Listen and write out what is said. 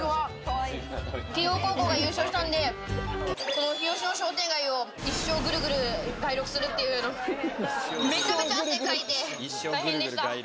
慶應高校が優勝したんで、日吉の商店街を一生ぐるぐる街録するという、めちゃめちゃ汗かいて大変でした。